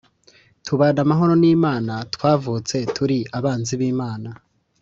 Tubana amahoro n’Imana. twavutse turi abanzi b’Imana